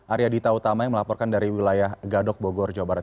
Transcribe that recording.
arya dita utama yang melaporkan dari wilayah gadok bogor jawa barat